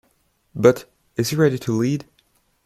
But, is he ready to lead?